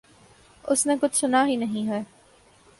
اس نے کچھ سنا ہی نہیں ہو۔